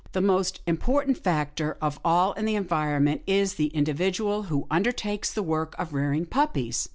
"' The most important factor of all in the environment is the individual who undertakes the work of rearing puppies.